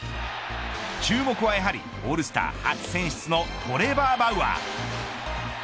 注目はやはりオールスター初選出のトレバー・バウアー。